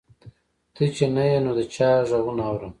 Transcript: ته چې نه یې نو د چا غـــــــږونه اورم